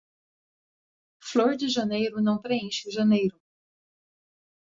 Flor de janeiro não preenche janeiro.